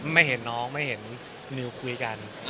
ไม่เห็นน้องไม่เห็นนิวคุยกัน